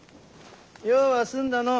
用は済んだのう？